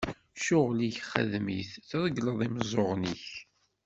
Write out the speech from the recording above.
Ccɣel-ik xdem-it, tregleḍ imeẓẓuɣen-ik!